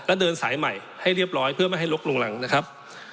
แล้วเดินสายใหม่ให้เรียบร้อยเพื่อไม่ให้ลกลงหลังนะครับ